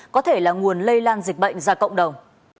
có thể là nguồn lây lan dịch bệnh ra cộng đồng